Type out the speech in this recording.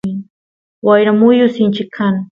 wayra muyu sinchi kan